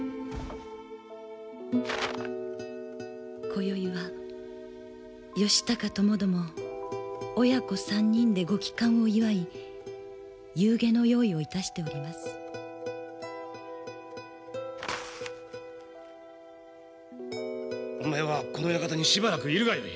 「こよいは義高ともども親子３人でご帰還を祝い夕げの用意をいたしております」。お前はこの館にしばらくいるがよい。